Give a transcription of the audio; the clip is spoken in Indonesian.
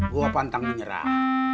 gue pantang menyerah